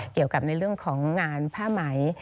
เกี่ยวกับในเรื่องของงานผ้าไหม